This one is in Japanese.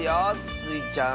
スイちゃん